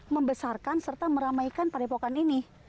membesarkan serta meramaikan padepokan ini